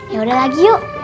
ya udah lagi yuk